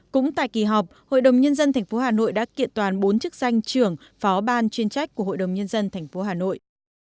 cũng tại kỳ họp hội đồng nhân dân tp hà nội đã kiện toàn bốn chức danh trưởng phó ban chuyên trách của hội đồng nhân dân tp hà nội